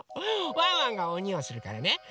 ワンワンがおにをするからねだから。